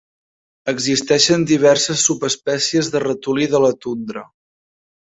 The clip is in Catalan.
Existeixen diverses subespècies de ratolí de la tundra.